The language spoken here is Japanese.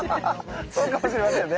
そうかもしれませんよね。